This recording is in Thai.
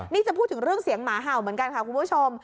นี่จะพูดถึงเรื่องเสียงหมาเห่าเหมือนกันค่ะคุณผู้ชม